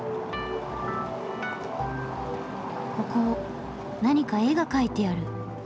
ここ何か絵が描いてある。